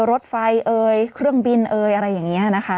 รถไฟเอ่ยเครื่องบินเอยอะไรอย่างนี้นะคะ